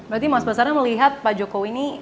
berarti mas basara melihat pak jokowi ini